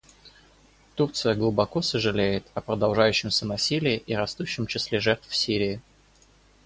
Турция глубоко сожалеет о продолжающемся насилии и растущем числе жертв в Сирии.